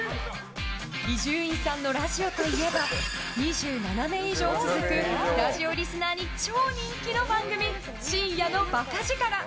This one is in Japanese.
伊集院さんのラジオといえば２７年以上続くラジオリスナーに超人気の番組「深夜の馬鹿力」。